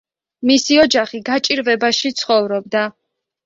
მისი ოჯახი გაჭირვებაში ცხოვრობდა.